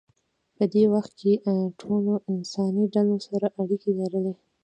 په دې وخت کې ټولو انساني ډلو سره اړیکې لرلې.